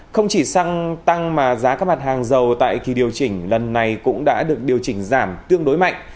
không chỉ xăng tăng mà giá các mặt hàng dầu tại kỳ điều chỉnh lần này cũng đã được điều chỉnh giảm tương đối mạnh